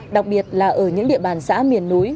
đặc biệt là ở những địa bàn xã miền núi